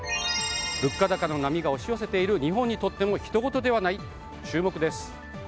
物価高の波が押し寄せている日本にとっても他人ごとではない？